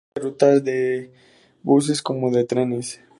Este incluye rutas de buses como de trenes.